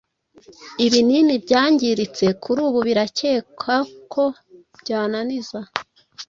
ibinini byangiritse kuri ubu birakekwa koby ananiza